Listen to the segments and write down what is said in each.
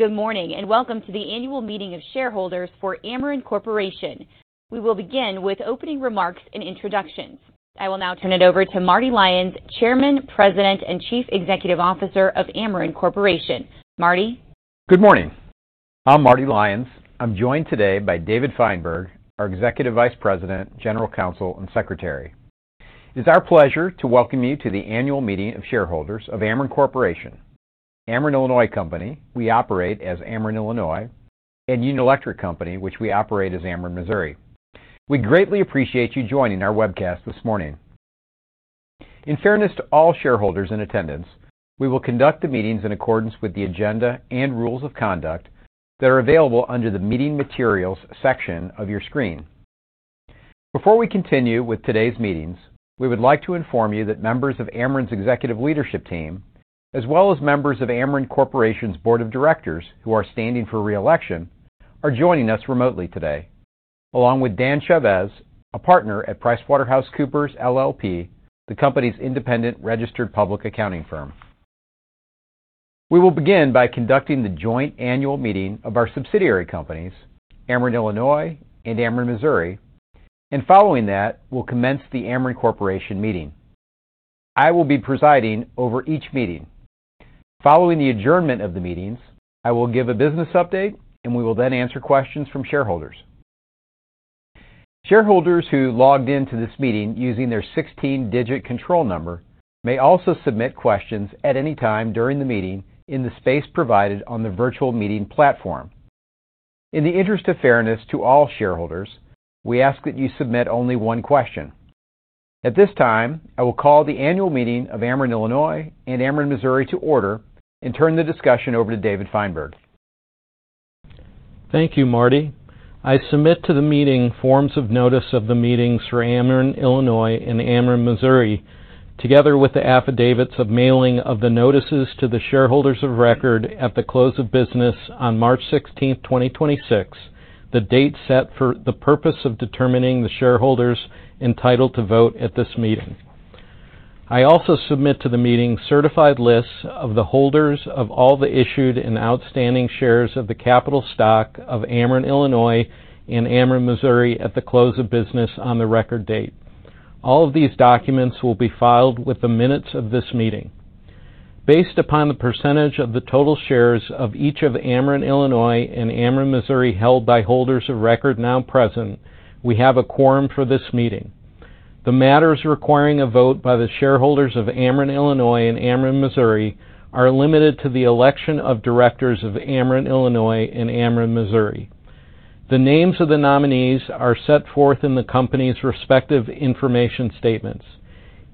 Good morning, and welcome to the annual meeting of shareholders for Ameren Corporation. We will begin with opening remarks and introductions. I will now turn it over to Marty Lyons, Chairman, President, and Chief Executive Officer of Ameren Corporation. Marty? Good morning. I'm Marty Lyons. I'm joined today by David Feinberg, our Executive Vice President, General Counsel, and Secretary. It's our pleasure to welcome you to the annual meeting of shareholders of Ameren Corporation, Ameren Illinois Company, we operate as Ameren Illinois, and Union Electric Company, which we operate as Ameren Missouri. We greatly appreciate you joining our webcast this morning. In fairness to all shareholders in attendance, we will conduct the meetings in accordance with the agenda and rules of conduct that are available under the Meeting Materials section of your screen. Before we continue with today's meetings, we would like to inform you that members of Ameren's executive leadership team, as well as members of Ameren Corporation's Board of Directors who are standing for re-election, are joining us remotely today, along with Dan Chavez, a Partner at PricewaterhouseCoopers LLP, the company's independent registered public accounting firm. We will begin by conducting the joint annual meeting of our subsidiary companies, Ameren Illinois and Ameren Missouri, and following that, we'll commence the Ameren Corporation meeting. I will be presiding over each meeting. Following the adjournment of the meetings, I will give a business update, and we will then answer questions from shareholders. Shareholders who logged into this meeting using their 16-digit control number may also submit questions at any time during the meeting in the space provided on the virtual meeting platform. In the interest of fairness to all shareholders, we ask that you submit only one question. At this time, I will call the annual meeting of Ameren Illinois and Ameren Missouri to order and turn the discussion over to David Feinberg. Thank you, Marty. I submit to the meeting forms of notice of the meetings for Ameren Illinois and Ameren Missouri, together with the affidavits of mailing of the notices to the shareholders of record at the close of business on March 16th, 2026, the date set for the purpose of determining the shareholders entitled to vote at this meeting. I also submit to the meeting certified lists of the holders of all the issued and outstanding shares of the capital stock of Ameren Illinois and Ameren Missouri at the close of business on the record date. All of these documents will be filed with the minutes of this meeting. Based upon the percentage of the total shares of each of Ameren Illinois and Ameren Missouri held by holders of record now present, we have a quorum for this meeting. The matters requiring a vote by the shareholders of Ameren Illinois and Ameren Missouri are limited to the election of directors of Ameren Illinois and Ameren Missouri. The names of the nominees are set forth in the company's respective information statements.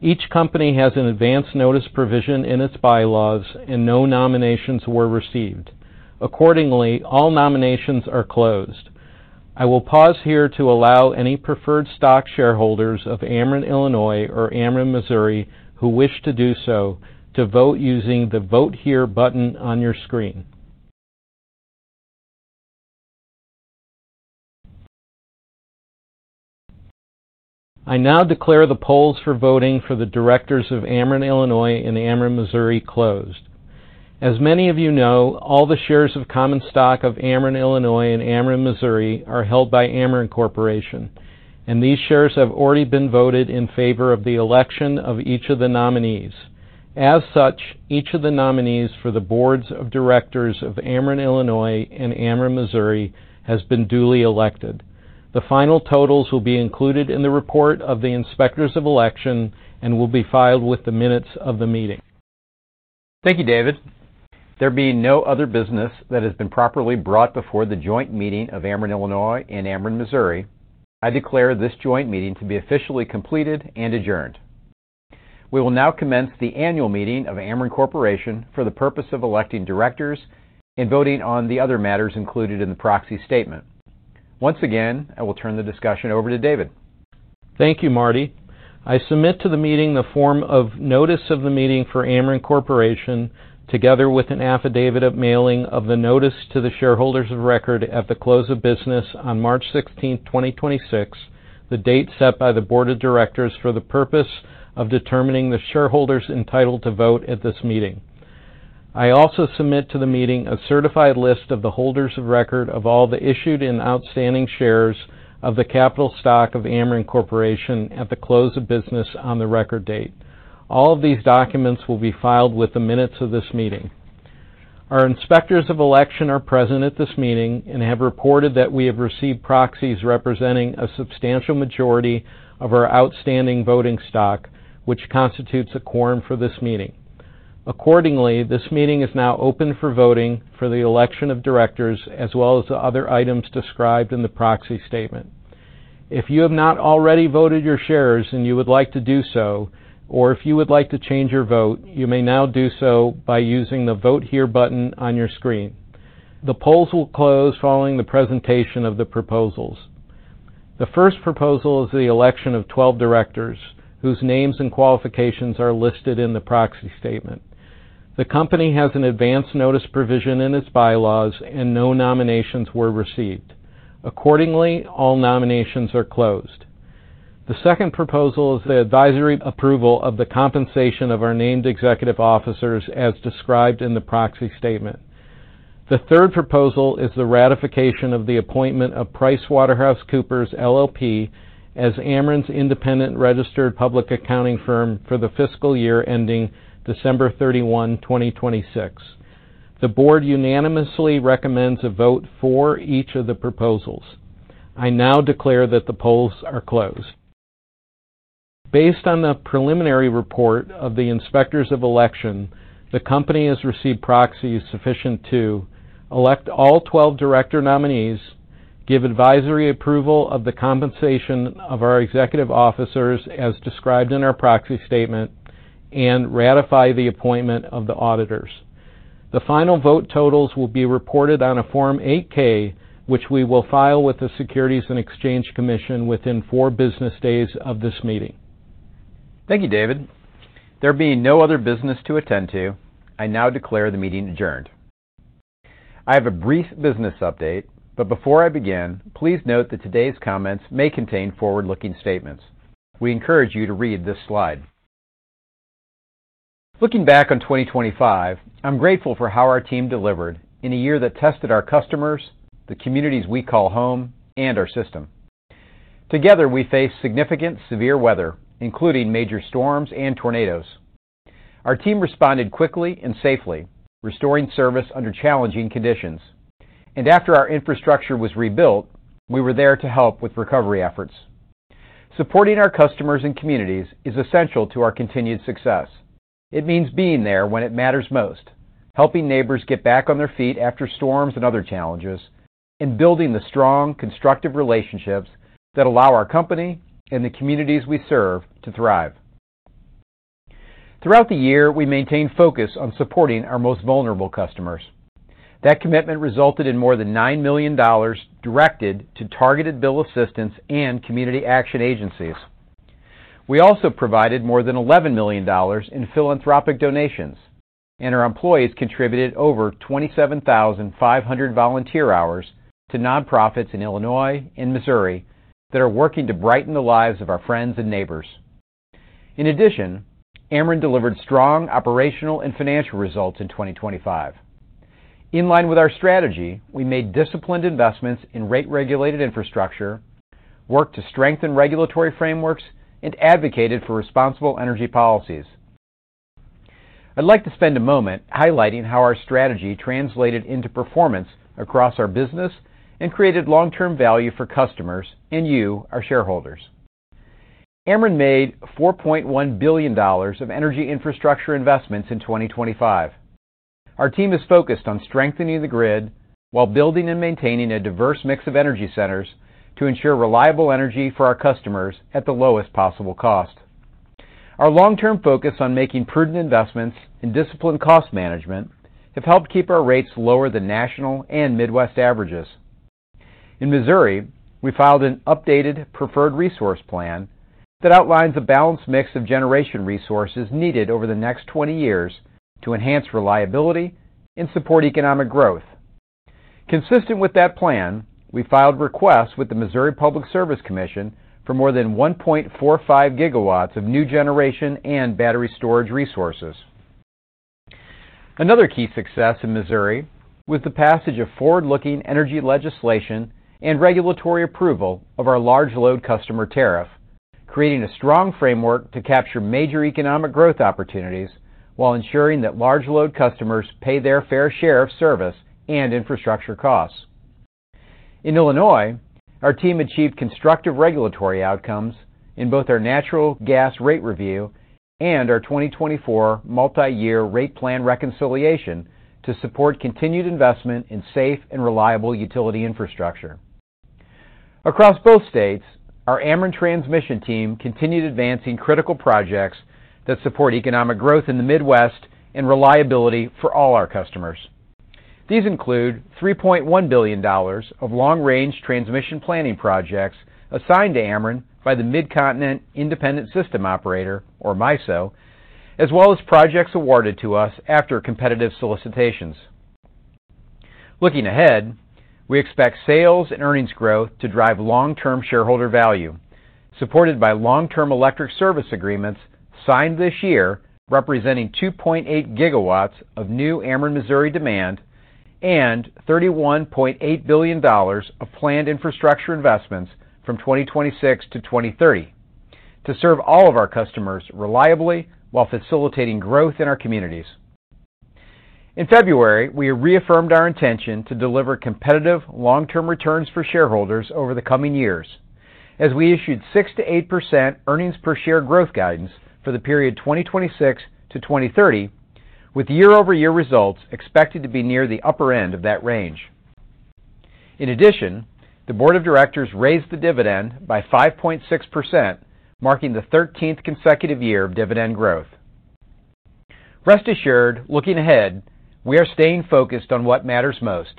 Each company has an advance notice provision in its bylaws, and no nominations were received. Accordingly, all nominations are closed. I will pause here to allow any preferred stock shareholders of Ameren Illinois or Ameren Missouri who wish to do so to vote using the Vote Here button on your screen. I now declare the polls for voting for the directors of Ameren Illinois and Ameren Missouri closed. As many of you know, all the shares of common stock of Ameren Illinois and Ameren Missouri are held by Ameren Corporation, and these shares have already been voted in favor of the election of each of the nominees. As such, each of the nominees for the boards of directors of Ameren Illinois and Ameren Missouri has been duly elected. The final totals will be included in the report of the inspectors of election and will be filed with the minutes of the meeting. Thank you, David. There being no other business that has been properly brought before the joint meeting of Ameren Illinois and Ameren Missouri, I declare this joint meeting to be officially completed and adjourned. We will now commence the annual meeting of Ameren Corporation for the purpose of electing directors and voting on the other matters included in the proxy statement. Once again, I will turn the discussion over to David. Thank you, Marty. I submit to the meeting the form of notice of the meeting for Ameren Corporation, together with an affidavit of mailing of the notice to the shareholders of record at the close of business on March 16th, 2026, the date set by the Board of Directors for the purpose of determining the shareholders entitled to vote at this meeting. I also submit to the meeting a certified list of the holders of record of all the issued and outstanding shares of the capital stock of Ameren Corporation at the close of business on the record date. All of these documents will be filed with the minutes of this meeting. Our inspectors of election are present at this meeting and have reported that we have received proxies representing a substantial majority of our outstanding voting stock, which constitutes a quorum for this meeting. This meeting is now open for voting for the election of directors as well as the other items described in the proxy statement. If you have not already voted your shares and you would like to do so, or if you would like to change your vote, you may now do so by using the Vote Here button on your screen. The polls will close following the presentation of the proposals. The first proposal is the election of 12 directors, whose names and qualifications are listed in the proxy statement. The company has an advance notice provision in its bylaws. No nominations were received. All nominations are closed. The second proposal is the advisory approval of the compensation of our named executive officers as described in the proxy statement. The third proposal is the ratification of the appointment of PricewaterhouseCoopers LLP as Ameren's independent registered public accounting firm for the fiscal year ending December 31, 2026. The board unanimously recommends a vote for each of the proposals. I now declare that the polls are closed. Based on the preliminary report of the Inspectors of Election, the company has received proxies sufficient to elect all 12 director nominees, give advisory approval of the compensation of our executive officers as described in our proxy statement, and ratify the appointment of the auditors. The final vote totals will be reported on a Form 8-K, which we will file with the Securities and Exchange Commission within four business days of this meeting. Thank you, David. There being no other business to attend to, I now declare the meeting adjourned. I have a brief business update. Before I begin, please note that today's comments may contain forward-looking statements. We encourage you to read this slide. Looking back on 2025, I'm grateful for how our team delivered in a year that tested our customers, the communities we call home, and our system. Together, we faced significant severe weather, including major storms and tornadoes. Our team responded quickly and safely, restoring service under challenging conditions. After our infrastructure was rebuilt, we were there to help with recovery efforts. Supporting our customers and communities is essential to our continued success. It means being there when it matters most, helping neighbors get back on their feet after storms and other challenges, and building the strong, constructive relationships that allow our company and the communities we serve to thrive. Throughout the year, we maintained focus on supporting our most vulnerable customers. That commitment resulted in more than $9 million directed to targeted bill assistance and community action agencies. We also provided more than $11 million in philanthropic donations, and our employees contributed over 27,500 volunteer hours to nonprofits in Illinois and Missouri that are working to brighten the lives of our friends and neighbors. In addition, Ameren delivered strong operational and financial results in 2025. In line with our strategy, we made disciplined investments in rate-regulated infrastructure, worked to strengthen regulatory frameworks, and advocated for responsible energy policies. I'd like to spend a moment highlighting how our strategy translated into performance across our business and created long-term value for customers and you, our shareholders. Ameren made $4.1 billion of energy infrastructure investments in 2025. Our team is focused on strengthening the grid while building and maintaining a diverse mix of energy centers to ensure reliable energy for our customers at the lowest possible cost. Our long-term focus on making prudent investments and disciplined cost management have helped keep our rates lower than national and Midwest averages. In Missouri, we filed an updated Preferred Resource Plan that outlines a balanced mix of generation resources needed over the next 20 years to enhance reliability and support economic growth. Consistent with that plan, we filed requests with the Missouri Public Service Commission for more than 1.45 GW of new generation and battery storage resources. Another key success in Missouri was the passage of forward-looking energy legislation and regulatory approval of our large load customer tariff, creating a strong framework to capture major economic growth opportunities while ensuring that large load customers pay their fair share of service and infrastructure costs. In Illinois, our team achieved constructive regulatory outcomes in both our natural gas rate review and our 2024 multi-year rate plan reconciliation to support continued investment in safe and reliable utility infrastructure. Across both states, our Ameren transmission team continued advancing critical projects that support economic growth in the Midwest and reliability for all our customers. These include $3.1 billion of long-range transmission planning projects assigned to Ameren by the Midcontinent Independent System Operator, or MISO, as well as projects awarded to us after competitive solicitations. Looking ahead, we expect sales and earnings growth to drive long-term shareholder value, supported by long-term electric service agreements signed this year representing 2.8 GW of new Ameren Missouri demand and $31.8 billion of planned infrastructure investments from 2026 to 2030 to serve all of our customers reliably while facilitating growth in our communities. In February, we reaffirmed our intention to deliver competitive long-term returns for shareholders over the coming years as we issued 6%-8% earnings per share growth guidance for the period 2026 to 2030, with year-over-year results expected to be near the upper end of that range. In addition, the Board of Directors raised the dividend by 5.6%, marking the 13th consecutive year of dividend growth. Rest assured, looking ahead, we are staying focused on what matters most,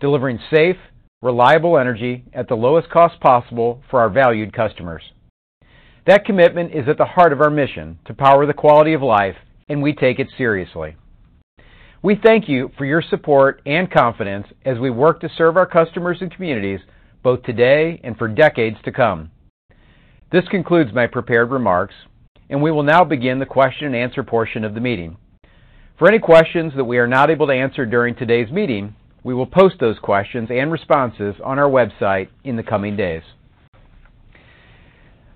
delivering safe, reliable energy at the lowest cost possible for our valued customers. That commitment is at the heart of our mission to power the quality of life, and we take it seriously. We thank you for your support and confidence as we work to serve our customers and communities both today and for decades to come. This concludes my prepared remarks, and we will now begin the question-and-answer portion of the meeting. For any questions that we are not able to answer during today's meeting, we will post those questions and responses on our website in the coming days.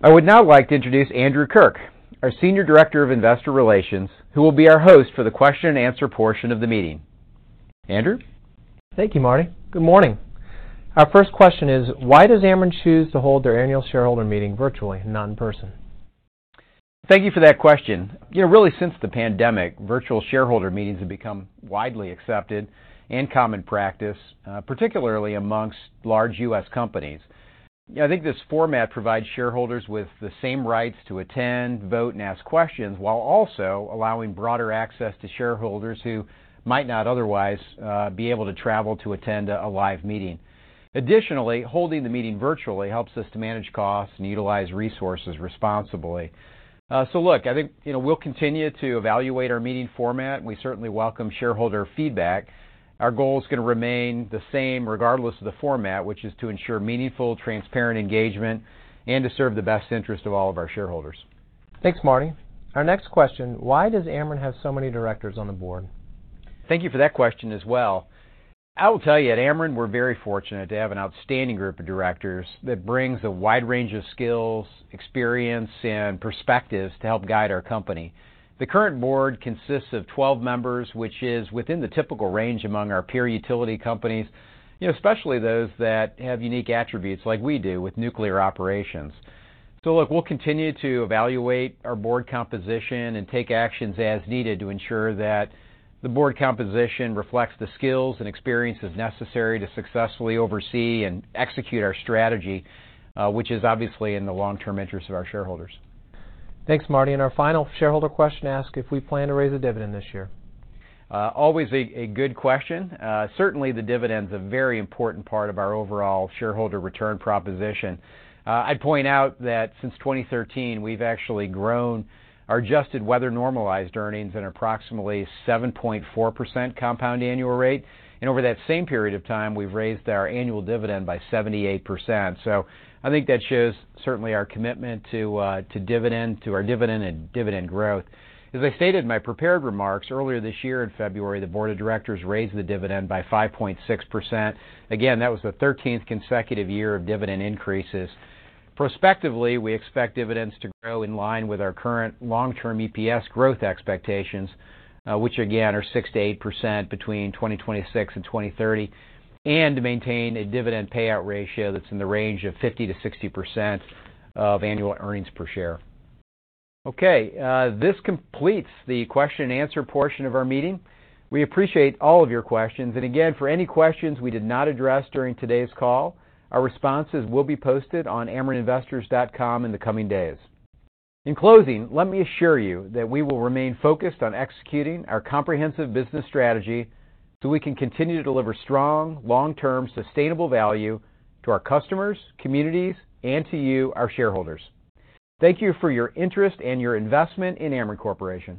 I would now like to introduce Andrew Kirk, our Senior Director of Investor Relations, who will be our host for the question-and-answer portion of the meeting. Andrew? Thank you, Marty. Good morning. Our first question is, why does Ameren choose to hold their annual shareholder meeting virtually and not in person? Thank you for that question. You know, really, since the pandemic, virtual shareholder meetings have become widely accepted and common practice, particularly amongst large U.S. companies. You know, I think this format provides shareholders with the same rights to attend, vote, and ask questions while also allowing broader access to shareholders who might not otherwise be able to travel to attend a live meeting. Additionally, holding the meeting virtually helps us to manage costs and utilize resources responsibly. Look, I think, you know, we'll continue to evaluate our meeting format. We certainly welcome shareholder feedback. Our goal is gonna remain the same regardless of the format, which is to ensure meaningful, transparent engagement and to serve the best interest of all of our shareholders. Thanks, Marty. Our next question: Why does Ameren have so many directors on the board? Thank you for that question as well. I will tell you, at Ameren, we're very fortunate to have an outstanding group of directors that brings a wide range of skills, experience, and perspectives to help guide our company. The current board consists of 12 members, which is within the typical range among our peer utility companies, you know, especially those that have unique attributes like we do with nuclear operations. Look, we'll continue to evaluate our board composition and take actions as needed to ensure that the board composition reflects the skills and experiences necessary to successfully oversee and execute our strategy, which is obviously in the long-term interest of our shareholders. Thanks, Marty. Our final shareholder question asks if we plan to raise a dividend this year. Always a good question. Certainly, the dividend's a very important part of our overall shareholder return proposition. I'd point out that since 2013, we've actually grown our adjusted weather-normalized earnings at approximately 7.4% compound annual rate, and over that same period of time, we've raised our annual dividend by 78%. I think that shows certainly our commitment to our dividend and dividend growth. As I stated in my prepared remarks, earlier this year in February, the Board of Directors raised the dividend by 5.6%. Again, that was the 13th consecutive year of dividend increases. Prospectively, we expect dividends to grow in line with our current long-term EPS growth expectations, which again are 6% to 8% between 2026 and 2030, and maintain a dividend payout ratio that's in the range of 50%-60% of annual earnings per share. Okay, this completes the question-and-answer portion of our meeting. We appreciate all of your questions, and again, for any questions we did not address during today's call, our responses will be posted on amereninvestors.com in the coming days. In closing, let me assure you that we will remain focused on executing our comprehensive business strategy so we can continue to deliver strong, long-term, sustainable value to our customers, communities, and to you, our shareholders. Thank you for your interest and your investment in Ameren Corporation.